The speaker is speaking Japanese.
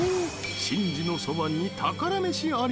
神事のそばに宝メシあり！